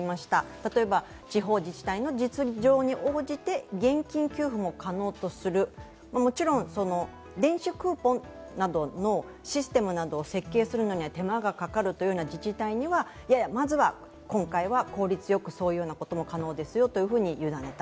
例えば地方自治体の実情に応じて現金給付も可能とする、もちろん電子クーポンなどのシステムなどを設計するのには手間がかかるという自治体には、まずは今回は効率よくそういうことも可能ですよと委ねた。